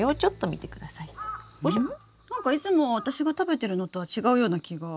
なんかいつも私が食べてるのとは違うような気が。